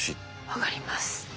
分かります。